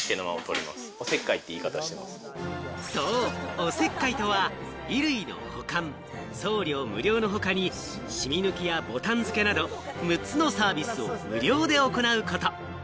おせっかいとは、衣類の保管、送料無料の他にシミ抜きやボタン付けなど、６つのサービスを無料で行うこと。